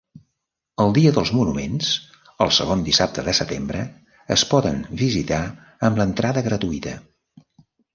El Dia dels Monuments, el segon dissabte de setembre, es poden visitar amb l'entrada gratuïta.